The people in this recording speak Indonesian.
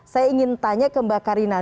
saya ingin tanya ke mbak karina